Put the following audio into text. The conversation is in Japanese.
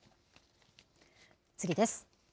次です。